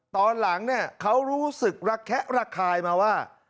ตอนหลังเขารู้สึกรักแคะรักคายมาว่า